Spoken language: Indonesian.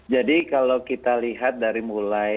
jadi kalau kita lihat dari mulai awal mulanya pandemi ini